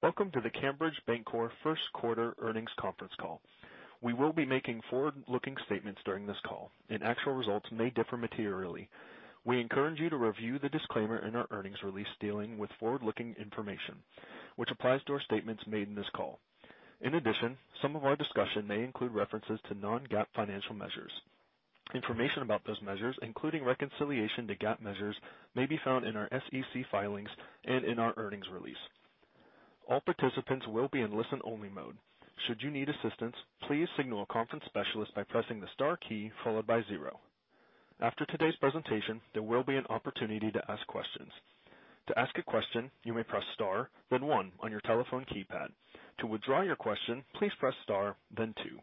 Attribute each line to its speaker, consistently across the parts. Speaker 1: Welcome to the Cambridge Bancorp first quarter earnings conference call. We will be making forward-looking statements during this call, and actual results may differ materially. We encourage you to review the disclaimer in our earnings release dealing with forward-looking information, which applies to our statements made in this call. In addition, some of our discussion may include references to non-GAAP financial measures. Information about those measures, including reconciliation to GAAP measures, may be found in our SEC filings and in our earnings release. All participants will be in listen-only mode. Should you need assistance, please signal a conference specialist by pressing the * key followed by zero. After today's presentation, there will be an opportunity to ask questions. To ask a question, you may press * then one on your telephone keypad. To withdraw your question, please press * then two.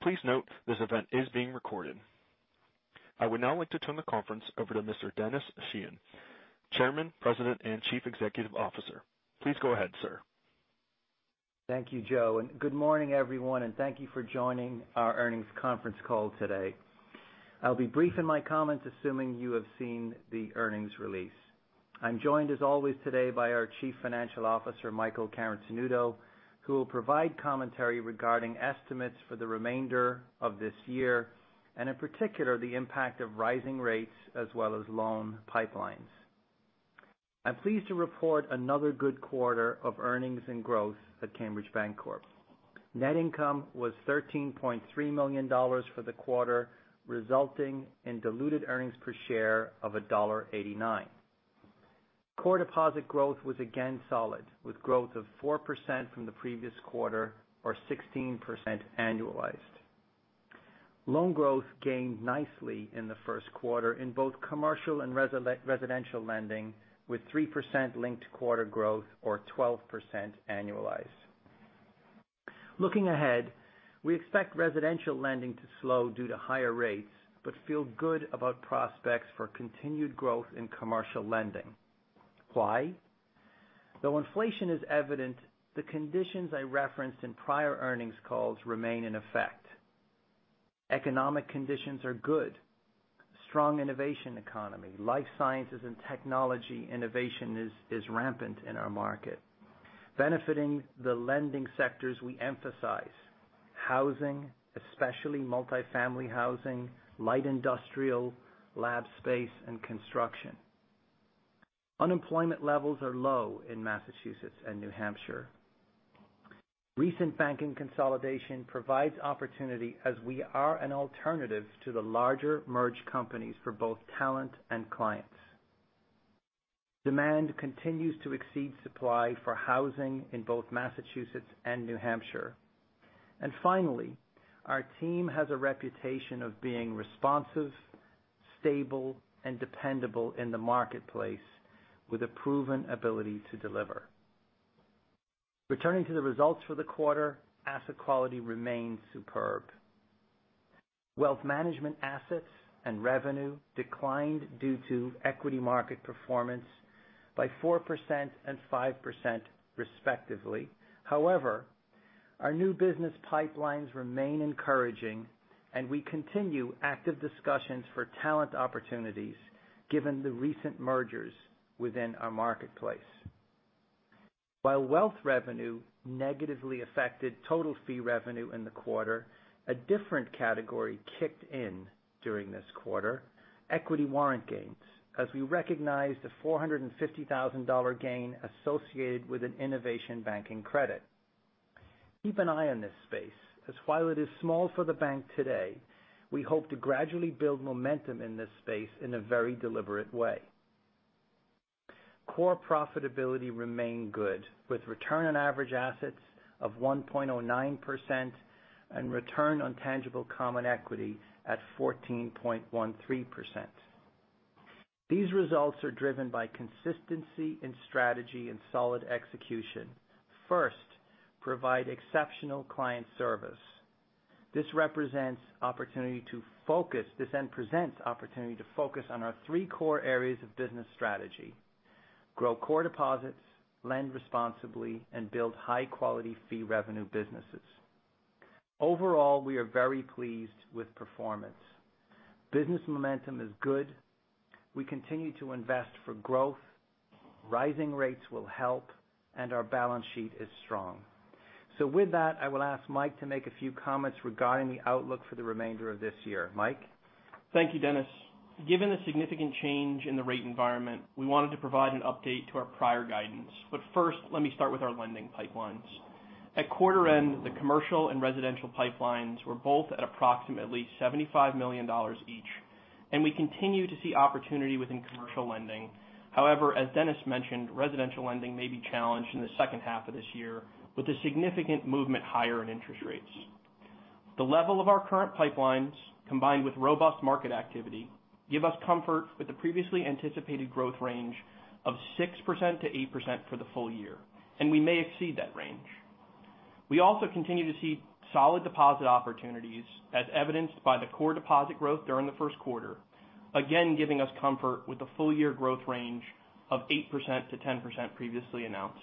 Speaker 1: Please note this event is being recorded. I would now like to turn the conference over to Mr. Denis Sheahan, Chairman, President, and Chief Executive Officer. Please go ahead, sir.
Speaker 2: Thank you, Joe, and good morning everyone, and thank you for joining our earnings conference call today. I'll be brief in my comments, assuming you have seen the earnings release. I'm joined, as always, today by our Chief Financial Officer, Michael Carotenuto, who will provide commentary regarding estimates for the remainder of this year and in particular, the impact of rising rates as well as loan pipelines. I'm pleased to report another good quarter of earnings and growth at Cambridge Bancorp. Net income was $13.3 million for the quarter, resulting in diluted earnings per share of $1.89. Core deposit growth was again solid, with growth of 4% from the previous quarter or 16% annualized. Loan growth gained nicely in the first quarter in both commercial and residential lending, with 3% linked quarter growth or 12% annualized. Looking ahead, we expect residential lending to slow due to higher rates, but feel good about prospects for continued growth in commercial lending. Why? Though inflation is evident, the conditions I referenced in prior earnings calls remain in effect. Economic conditions are good. Strong innovation economy, life sciences and technology innovation is rampant in our market. Benefiting the lending sectors we emphasize. Housing, especially multifamily housing, light industrial, lab space, and construction. Unemployment levels are low in Massachusetts and New Hampshire. Recent banking consolidation provides opportunity as we are an alternative to the larger merged companies for both talent and clients. Demand continues to exceed supply for housing in both Massachusetts and New Hampshire. Finally, our team has a reputation of being responsive, stable, and dependable in the marketplace with a proven ability to deliver. Returning to the results for the quarter, asset quality remains superb. Wealth management assets and revenue declined due to equity market performance by 4% and 5% respectively. However, our new business pipelines remain encouraging, and we continue active discussions for talent opportunities given the recent mergers within our marketplace. While wealth revenue negatively affected total fee revenue in the quarter, a different category kicked in during this quarter, equity warrant gains as we recognized a $450,000 gain associated with an innovation banking credit. Keep an eye on this space, as while it is small for the bank today, we hope to gradually build momentum in this space in a very deliberate way. Core profitability remained good, with return on average assets of 1.09% and return on tangible common equity at 14.13%. These results are driven by consistency in strategy and solid execution. First, provide exceptional client service. This then presents opportunity to focus on our three core areas of business strategy. Grow core deposits, lend responsibly, and build high-quality fee revenue businesses. Overall, we are very pleased with performance. Business momentum is good. We continue to invest for growth. Rising rates will help, and our balance sheet is strong. With that, I will ask Mike to make a few comments regarding the outlook for the remainder of this year. Mike?
Speaker 3: Thank you, Denis. Given the significant change in the rate environment, we wanted to provide an update to our prior guidance. First, let me start with our lending pipelines. At quarter end, the commercial and residential pipelines were both at approximately $75 million each, and we continue to see opportunity within commercial lending. However, as Denis mentioned, residential lending may be challenged in the second half of this year with a significant movement higher in interest rates. The level of our current pipelines, combined with robust market activity, give us comfort with the previously anticipated growth range of 6%-8% for the full year, and we may exceed that range. We also continue to see solid deposit opportunities, as evidenced by the core deposit growth during the first quarter, again giving us comfort with the full year growth range of 8%-10% previously announced.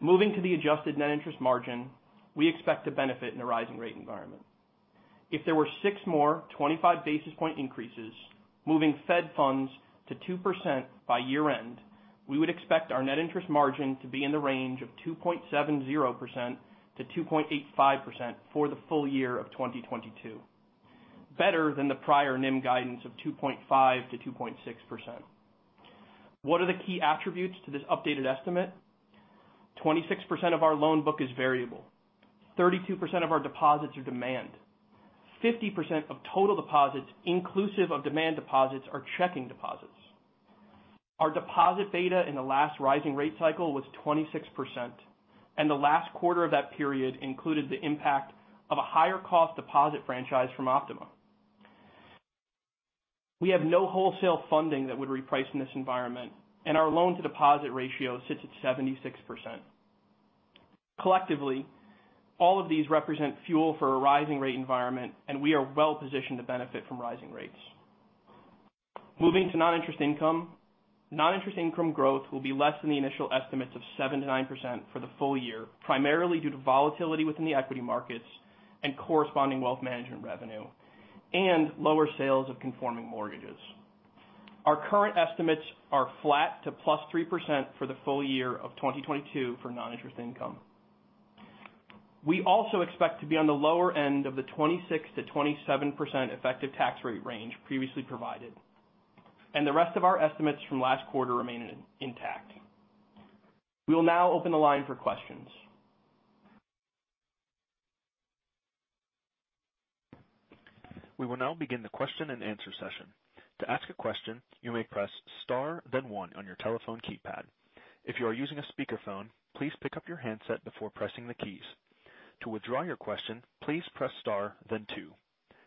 Speaker 3: Moving to the adjusted net interest margin, we expect to benefit in a rising rate environment. If there were six more 25 basis point increases, moving Fed funds to 2% by year-end, we would expect our net interest margin to be in the range of 2.70%-2.85% for the full year of 2022, better than the prior NIM guidance of 2.5%-2.6%. What are the key attributes to this updated estimate? 26% of our loan book is variable. 32% of our deposits are demand. 50% of total deposits inclusive of demand deposits are checking deposits. Our deposit beta in the last rising rate cycle was 26%, and the last quarter of that period included the impact of a higher cost deposit franchise from Optima. We have no wholesale funding that would reprice in this environment, and our loan to deposit ratio sits at 76%. Collectively, all of these represent fuel for a rising rate environment, and we are well positioned to benefit from rising rates. Moving to non-interest income. Non-interest income growth will be less than the initial estimates of 7%-9% for the full year, primarily due to volatility within the equity markets and corresponding wealth management revenue and lower sales of conforming mortgages. Our current estimates are flat to +3% for the full year of 2022 for non-interest income. We also expect to be on the lower end of the 26%-27% effective tax rate range previously provided. The rest of our estimates from last quarter remain intact. We will now open the line for questions.
Speaker 1: We will now begin the question and answer session. To ask a question, you may press * then one on your telephone keypad. If you are using a speakerphone, please pick up your handset before pressing the keys. To withdraw your question, please press * then two.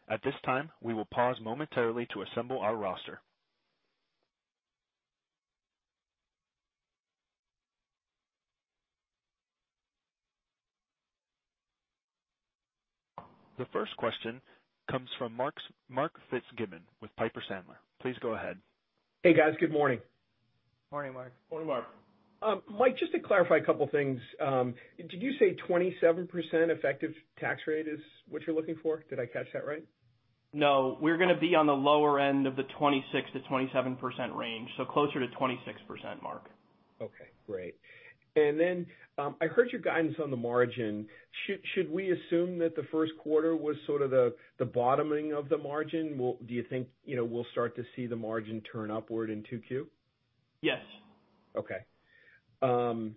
Speaker 1: At this time, we will pause momentarily to assemble our roster. The first question comes from Mark Fitzgibbon with Piper Sandler. Please go ahead.
Speaker 4: Hey, guys. Good morning.
Speaker 3: Morning, Mark.
Speaker 2: Morning, Mark.
Speaker 4: Mike, just to clarify a couple things. Did you say 27% effective tax rate is what you're looking for? Did I catch that right?
Speaker 3: No. We're gonna be on the lower end of the 26%-27% range. Closer to 26%, Mark.
Speaker 4: Okay. Great. I heard your guidance on the margin. Should we assume that the first quarter was sort of the bottoming of the margin? Do you think, you know, we'll start to see the margin turn upward in 2Q?
Speaker 3: Yes.
Speaker 4: Okay. You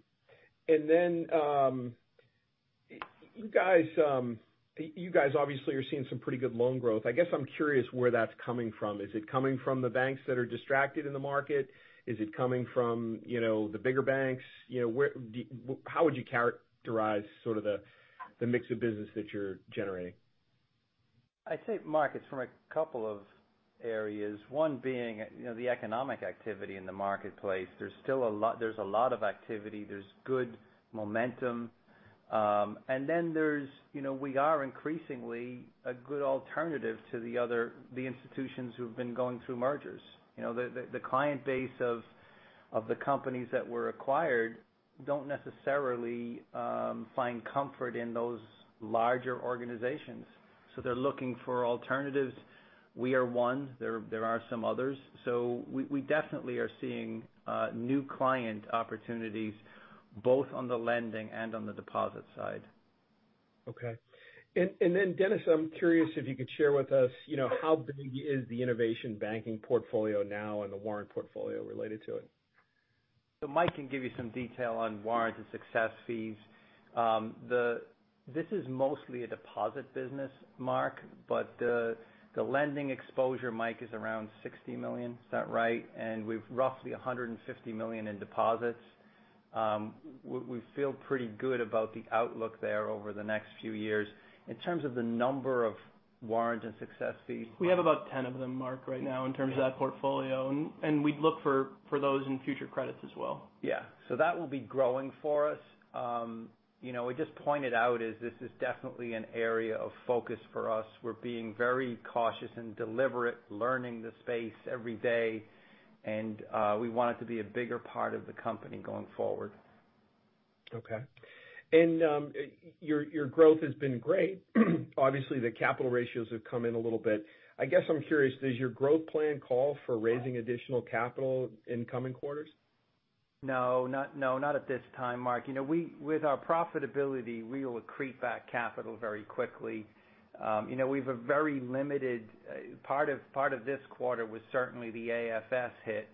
Speaker 4: guys obviously are seeing some pretty good loan growth. I guess I'm curious where that's coming from? Is it coming from the banks that are distracted in the market? Is it coming from, you know, the bigger banks? You know, how would you characterize sort of the mix of business that you're generating?
Speaker 2: I'd say Mark, it's from a couple of areas. One being, you know, the economic activity in the marketplace. There's still a lot of activity. There's good momentum. You know, we are increasingly a good alternative to the other institutions who've been going through mergers. You know, the client base of the companies that were acquired don't necessarily find comfort in those larger organizations, so they're looking for alternatives. We are one. There are some others. We definitely are seeing new client opportunities both on the lending and on the deposit side.
Speaker 4: Okay. Denis, I'm curious if you could share with us, you know, how big is the innovation banking portfolio now and the warrant portfolio related to it?
Speaker 2: Mike can give you some detail on warrants and success fees. This is mostly a deposit business, Mark. The lending exposure, Mike, is around $60 million. Is that right? With roughly $150 million in deposits. We feel pretty good about the outlook there over the next few years. In terms of the number of warrants and success fees.
Speaker 3: We have about 10 of them, Mark, right now in terms of that portfolio. We'd look for those in future credits as well.
Speaker 2: Yeah. That will be growing for us. You know, we just pointed out, this is definitely an area of focus for us. We're being very cautious and deliberate, learning the space every day, and we want it to be a bigger part of the company going forward.
Speaker 4: Okay. Your growth has been great. Obviously, the capital ratios have come in a little bit. I guess I'm curious, does your growth plan call for raising additional capital in coming quarters?
Speaker 2: No, not at this time, Mark. You know, with our profitability, we will accrete back capital very quickly. You know, we have a very limited part of this quarter was certainly the AFS hit.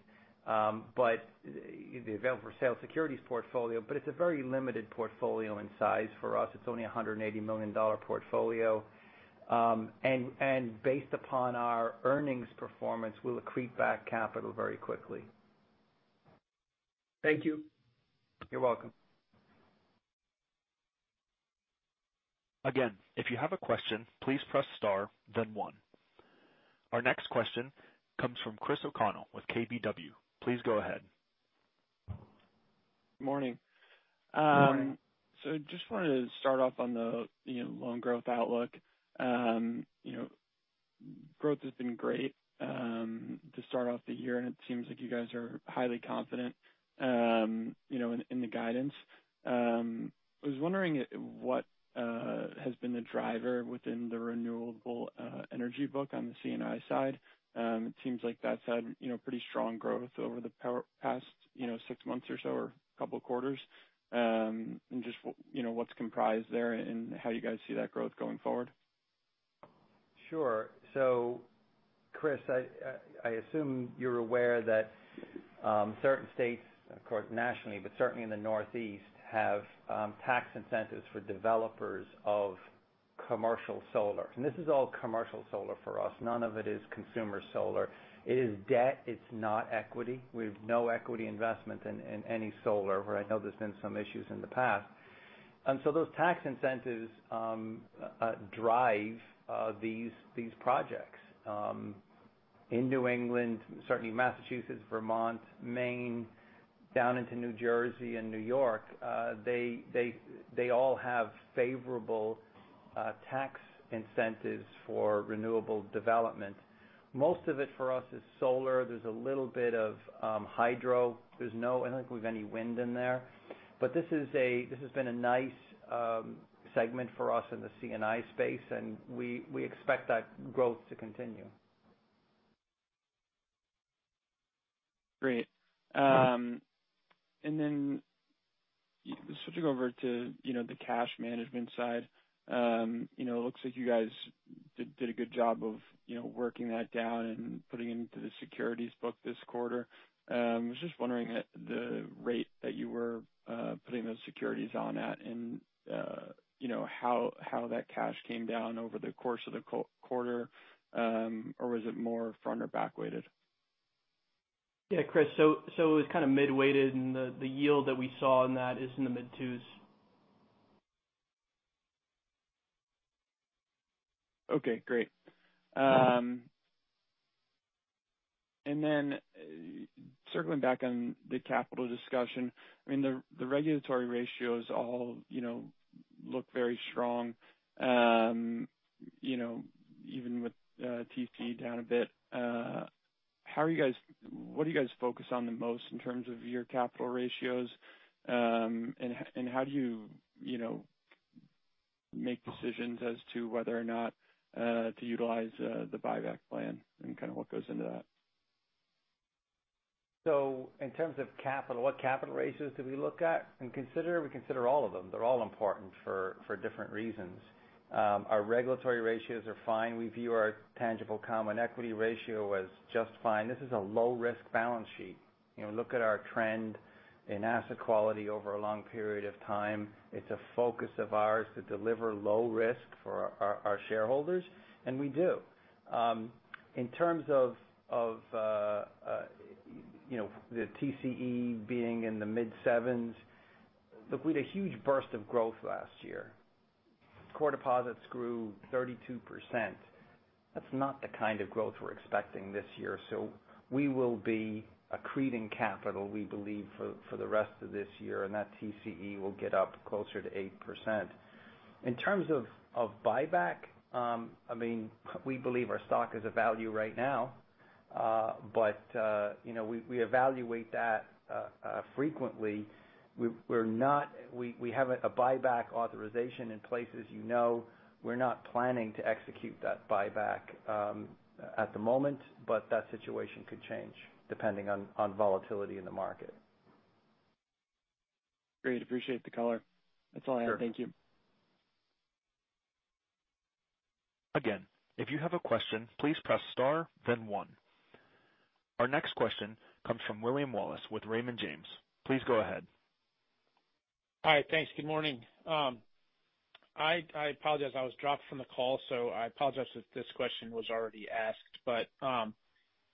Speaker 2: But the available for sale securities portfolio, but it's a very limited portfolio in size for us. It's only a $180 million portfolio. And based upon our earnings performance, we'll accrete back capital very quickly.
Speaker 4: Thank you.
Speaker 2: You're welcome.
Speaker 1: Again, if you have a question, please press * then 1. Our next question comes from Chris O'Connell with KBW. Please go ahead.
Speaker 5: Morning. So just wanted to start off on the, you know, loan growth outlook. Growth has been great, to start off the year, and it seems like you guys are highly confident, you know, in the guidance. I was wondering what has been the driver within the renewable energy book on the C&I side. It seems like that's had, you know, pretty strong growth over the past, you know, six months or so or couple quarters. And just you know, what's comprised there and how you guys see that growth going forward.
Speaker 2: Sure. Chris, I assume you're aware that certain states, of course, nationally, but certainly in the Northeast, have tax incentives for developers of commercial solar. This is all commercial solar for us. None of it is consumer solar. It is debt, it's not equity. We have no equity investment in any solar, where I know there's been some issues in the past. Those tax incentives drive these projects. In New England, certainly Massachusetts, Vermont, Maine, down into New Jersey and New York, they all have favorable tax incentives for renewable development. Most of it for us is solar. There's a little bit of hydro. I don't think we have any wind in there. This has been a nice segment for us in the C&I space, and we expect that growth to continue.
Speaker 5: Great. Switching over to, you know, the cash management side. You know, it looks like you guys did a good job of, you know, working that down and putting it into the securities book this quarter. Was just wondering at the rate that you were putting those securities on at and, you know, how that cash came down over the course of the quarter, or was it more front or back weighted?
Speaker 3: Yeah, Chris. It was kind of mid-weighted, and the yield that we saw in that is in the mid-2s.
Speaker 5: Okay, great. Circling back on the capital discussion. I mean, the regulatory ratios all, you know, look very strong, you know, even with TCE down a bit. What do you guys focus on the most in terms of your capital ratios? How do you know, make decisions as to whether or not to utilize the buyback plan and kind of what goes into that?
Speaker 2: In terms of capital, what capital ratios do we look at and consider? We consider all of them. They're all important for different reasons. Our regulatory ratios are fine. We view our tangible common equity ratio as just fine. This is a low risk balance sheet. You know, look at our trend in asset quality over a long period of time. It's a focus of ours to deliver low risk for our shareholders, and we do. In terms of the TCE being in the mid-7s. Look, we had a huge burst of growth last year. Core deposits grew 32%. That's not the kind of growth we're expecting this year, so we will be accreting capital, we believe, for the rest of this year, and that TCE will get up closer to 8%. In terms of buyback, I mean, we believe our stock is a value right now. You know, we evaluate that frequently. We have a buyback authorization in place, as you know. We're not planning to execute that buyback at the moment, but that situation could change depending on volatility in the market.
Speaker 5: Great. Appreciate the color. That's all I have. Thank you.
Speaker 1: Again, if you have a question, please press * then one. Our next question comes from William Wallace with Raymond James. Please go ahead.
Speaker 6: Hi. Thanks. Good morning. I apologize. I was dropped from the call, so I apologize if this question was already asked.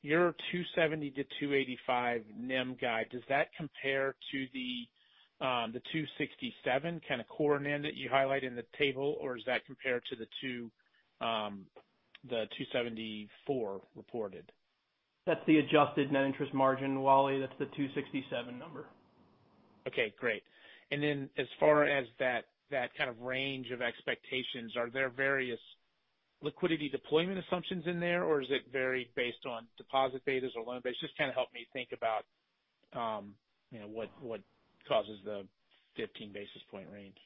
Speaker 6: Your 270-285 NIM guide, does that compare to the 267 kind of core NIM that you highlight in the table, or is that compared to the 274 reported?
Speaker 3: That's the adjusted net interest margin, Wally. That's the 2.67% number.
Speaker 6: Okay, great. Then as far as that kind of range of expectations, are there various liquidity deployment assumptions in there, or is it varied based on deposit betas or loan betas? Just kind of help me think about, you know, what causes the 15 basis point range.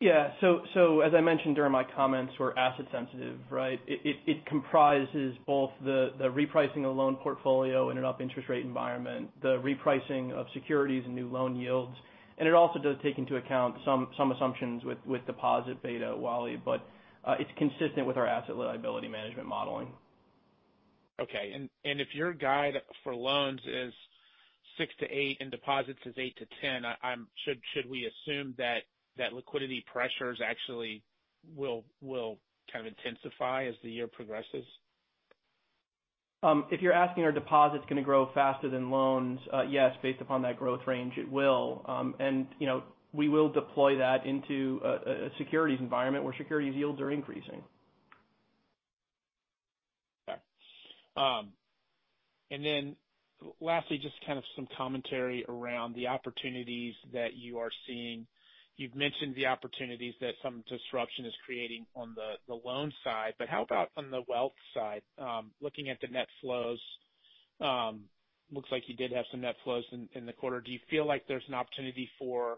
Speaker 3: Yeah, as I mentioned during my comments, we're asset sensitive, right? It comprises both the repricing of the loan portfolio in an up interest rate environment, the repricing of securities and new loan yields, and it also does take into account some assumptions with deposit beta, Wally. It's consistent with our asset liability management modeling.
Speaker 6: Okay. If your guidance for loans is 6%-8% and deposits is 8%-10%, should we assume that liquidity pressures actually will kind of intensify as the year progresses?
Speaker 3: If you're asking are deposits going to grow faster than loans, yes, based upon that growth range, it will. You know, we will deploy that into a securities environment where securities yields are increasing.
Speaker 6: Okay. Lastly, just kind of some commentary around the opportunities that you are seeing. You've mentioned the opportunities that some disruption is creating on the loan side, but how about on the wealth side? Looking at the net flows, looks like you did have some net flows in the quarter. Do you feel like there's an opportunity for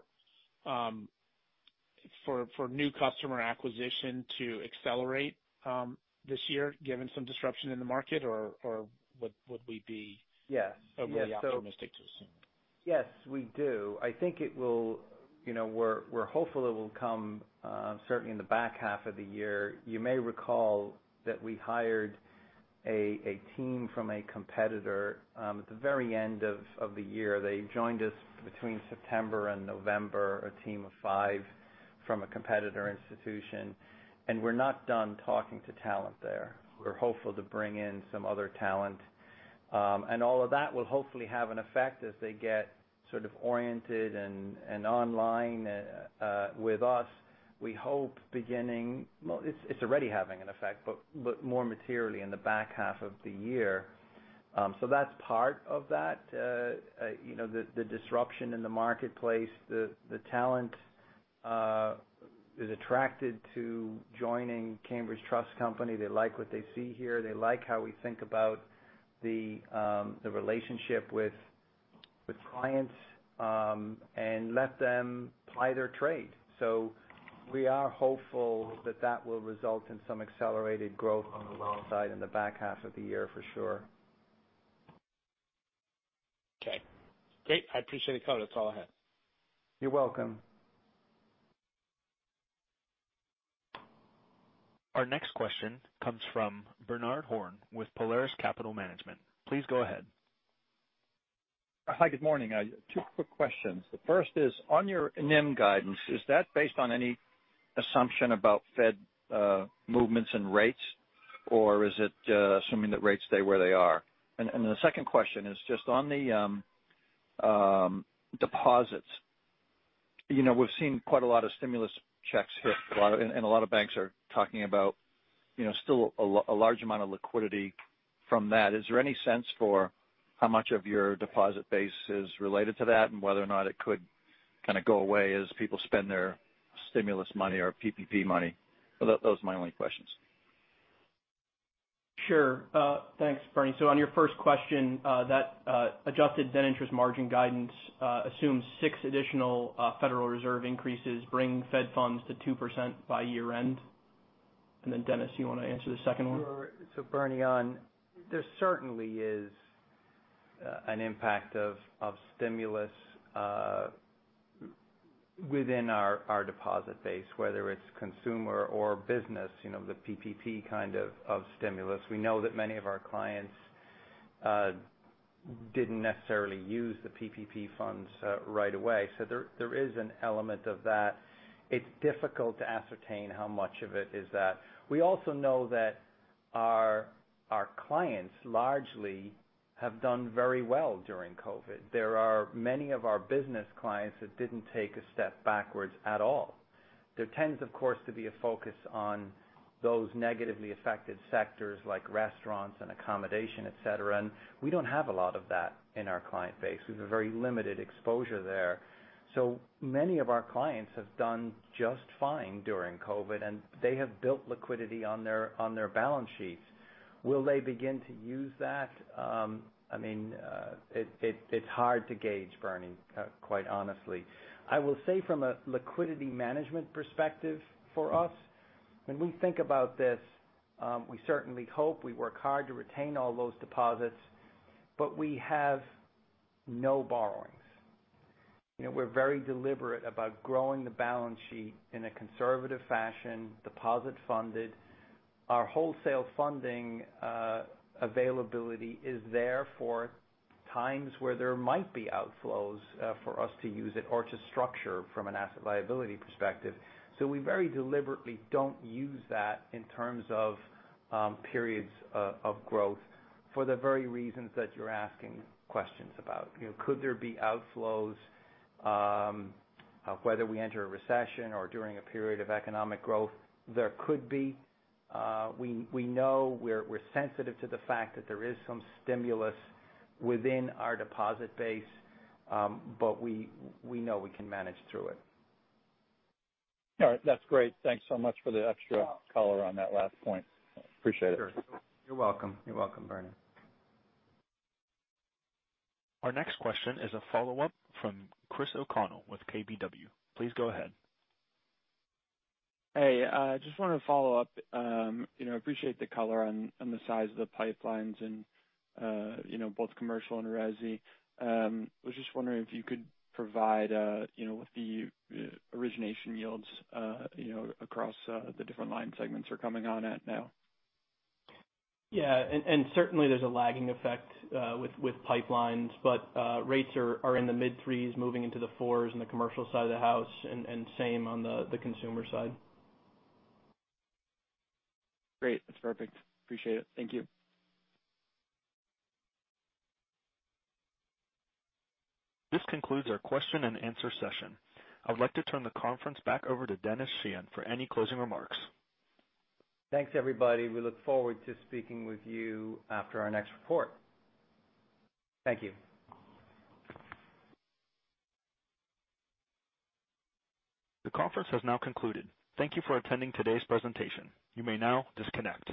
Speaker 6: new customer acquisition to accelerate this year given some disruption in the market? Or would we be?
Speaker 2: Yes.
Speaker 6: overly optimistic to assume?
Speaker 2: Yes, we do. I think it will. You know, we're hopeful it will come certainly in the back half of the year. You may recall that we hired a team from a competitor at the very end of the year. They joined us between September and November, a team of five from a competitor institution. We're not done talking to talent there. We're hopeful to bring in some other talent. All of that will hopefully have an effect as they get sort of oriented and online with us. Well, it's already having an effect, but more materially in the back half of the year. That's part of that. You know, the disruption in the marketplace. The talent is attracted to joining Cambridge Trust Company. They like what they see here. They like how we think about the relationship with clients and let them ply their trade. We are hopeful that will result in some accelerated growth on the loan side in the back half of the year for sure.
Speaker 6: Okay. Great. I appreciate the color. That's all I had.
Speaker 2: You're welcome.
Speaker 1: Our next question comes from Bernard Horn with Polaris Capital Management. Please go ahead.
Speaker 7: Hi, good morning. I have two quick questions. The first is on your NIM guidance. Is that based on any assumption about Fed movements and rates, or is it assuming that rates stay where they are? The second question is just on the deposits. You know, we've seen quite a lot of stimulus checks hit, and a lot of banks are talking about, you know, still a large amount of liquidity from that. Is there any sense for how much of your deposit base is related to that and whether or not it could kind of go away as people spend their stimulus money or PPP money? Those are my only questions.
Speaker 3: Sure. Thanks, Bernie. On your first question, that adjusted net interest margin guidance assumes 6 additional Federal Reserve increases, bringing Fed funds to 2% by year end. Denis, you wanna answer the second one? Sure. Bernie, on there certainly is an impact of stimulus within our deposit base, whether it's consumer or business, you know, the PPP kind of stimulus. We know that many of our clients didn't necessarily use the PPP funds right away. There is an element of that. It's difficult to ascertain how much of it is that. We also know that our clients largely have done very well during COVID. There are many of our business clients that didn't take a step backwards at all.
Speaker 2: There tends, of course, to be a focus on those negatively affected sectors like restaurants and accommodation, et cetera, and we don't have a lot of that in our client base. We have a very limited exposure there. Many of our clients have done just fine during COVID, and they have built liquidity on their balance sheets. Will they begin to use that? It's hard to gauge, Bernie, quite honestly. I will say from a liquidity management perspective for us, when we think about this, we certainly hope we work hard to retain all those deposits, but we have no borrowings. You know, we're very deliberate about growing the balance sheet in a conservative fashion, deposit funded. Our wholesale funding availability is there for times where there might be outflows for us to use it or to structure from an asset liability perspective. We very deliberately don't use that in terms of periods of growth for the very reasons that you're asking questions about. You know, could there be outflows whether we enter a recession or during a period of economic growth? There could be. We know we're sensitive to the fact that there is some stimulus within our deposit base, but we know we can manage through it.
Speaker 7: All right. That's great. Thanks so much for the extra color on that last point. Appreciate it.
Speaker 2: Sure. You're welcome. You're welcome, Bernie.
Speaker 1: Our next question is a follow-up from Chris O'Connell with KBW. Please go ahead.
Speaker 5: Hey, I just wanted to follow up. You know, I appreciate the color on the size of the pipelines and, you know, both commercial and resi. I was just wondering if you could provide, you know, what the origination yields, you know, across the different line segments are coming on at now.
Speaker 3: Yeah, certainly there's a lagging effect with pipelines, but rates are in the mid-3s moving into the 4s in the commercial side of the house and same on the consumer side.
Speaker 5: Great. That's perfect. Appreciate it. Thank you.
Speaker 1: This concludes our question and answer session. I would like to turn the conference back over to Denis Sheahan for any closing remarks.
Speaker 2: Thanks, everybody. We look forward to speaking with you after our next report. Thank you.
Speaker 1: The conference has now concluded. Thank you for attending today's presentation. You may now disconnect.